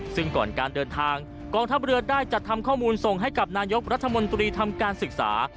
ซึ่งก่อนการเดินทางกองทัพเรือได้จัดทำข้อมูลส่งให้กับนายกรัฐมนตรีทำการศึกษา